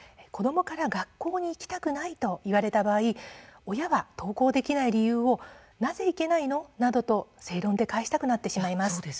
学校に行きたくないと言われた場合親は登校できない理由をなぜ行けないの？などと正論で返したくなってしまいます。